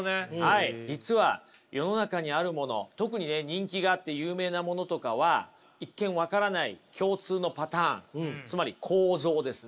実は世の中にあるもの特にね人気があって有名なものとかは一見分からない共通のパターンつまり構造ですね。